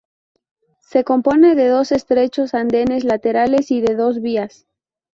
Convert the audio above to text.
Se compone de dos estrechos andenes laterales y de dos vías.